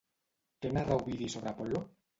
Què narra Ovidi sobre Apol·lo?